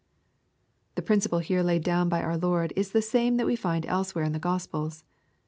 The principle here laid down by our Lord is the same that we find elsewhere in the Gospels.